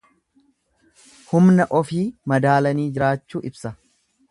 Humna ofii madaalanii jiraachuu ibsa.